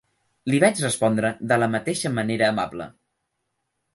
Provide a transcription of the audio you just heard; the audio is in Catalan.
Li vaig respondre de la mateixa manera amable.